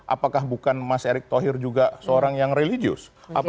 apakah bukan mas erick thohir juga seorang yang religius